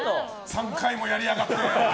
３回もやりやがって。